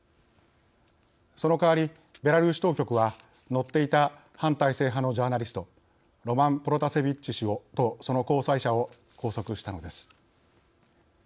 そのかわりベラルーシ当局は乗っていた反体制派のジャーナリストロマン・プロタセビッチ氏とその交際者を拘束したのです。